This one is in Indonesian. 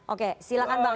oke silakan bang